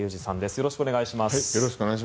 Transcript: よろしくお願いします。